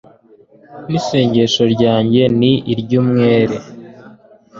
n'isengesho ryanjye ni iry'umwere